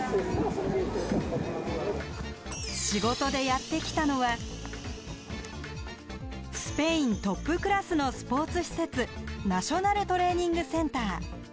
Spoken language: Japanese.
仕事でやって来たのはスペイントップクラスのスポーツ施設ナショナルトレーニングセンター。